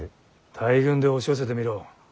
大軍で押し寄せてみろ。